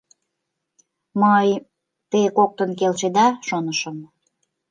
— Мый, те коктын келшеда, шонышым.